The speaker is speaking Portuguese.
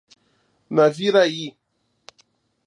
Naviraí